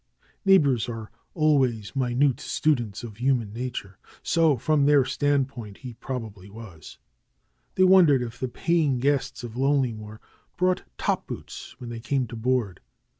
Neighbors are al ways minute students of human nature. So, from their standpoint, he probably was. They wondered if the DR. SCHOLAR CRUTCH 139 paying guests of Lonelymoor brought top boots when they came to board.